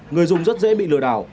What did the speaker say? người dùng rất dễ bị lừa đảo